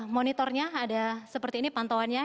monitornya ada seperti ini pantauannya